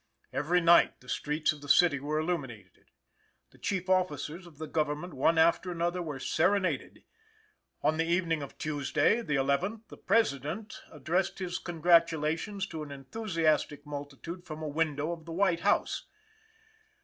Every night the streets of the city were illuminated. The chief officers of the government, one after another, were serenaded. On the evening of Tuesday, the eleventh, the President addressed his congratulations to an enthusiastic multitude from a window of the White House.